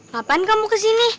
ngapain kamu ke sini